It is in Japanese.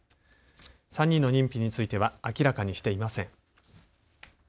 ３人の認否については明らかにしていません。